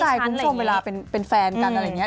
คือเวลาเข้าใจกุ้งชมเวลาเป็นแฟนกันอะไรอย่างนี้